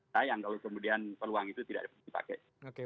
sayang kalau kemudian peluang itu tidak dipakai